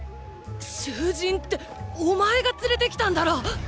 囚人ってお前が連れてきたんだろッ！